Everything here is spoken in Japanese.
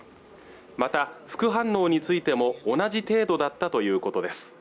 また副反応についても同じ程度だったということです